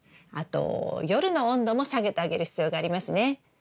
あと夜の温度も下げてあげる必要がありますね。